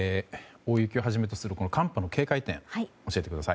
大雪をはじめとする寒波の警戒点を教えてください。